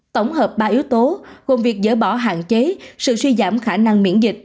tổng hợp ba yếu tố gồm việc dỡ bỏ hạn chế sự suy giảm khả năng miễn dịch